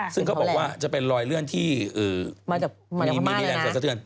ซึ่งเขาบอกว่าจะเป็นรอยเลื่อนที่มีแรงเสียสะเทือน